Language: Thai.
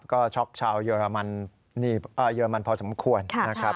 ก็ช็อกชาวเยอรมันเยอรมันพอสมควรนะครับ